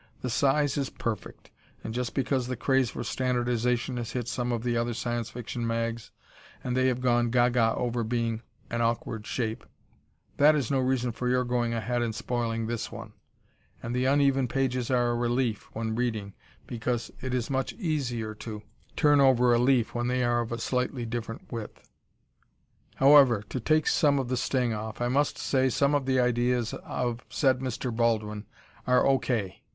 The size is perfect (and just because the craze for standardization has hit some of the other Science Fiction mags and they have gone ga ga over being an awkward shape, that is no reason for your going ahead and spoiling this one) and the uneven pages are a relief when reading because it is much easier to turn over a leaf when they are of a slightly different width. However, to take some of the sting off, I must say some of the ideas of said Mr. Baldwin are O. K.